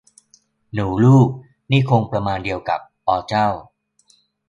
'หนูลูก' นี่คงประมาณเดียวกับ 'ออเจ้า'